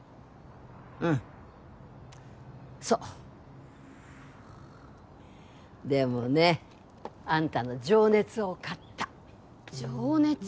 うんそうふわでもねあんたの情熱を買った情熱？